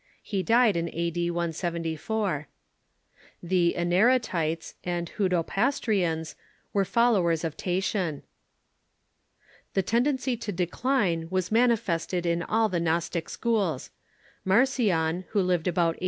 He died a.d. 174. The Encratites and Hudropastrians Avere followers of Tatian. The tendency to de cline was manifested in all the Gnostic schools. Marcion, Avho lived about a.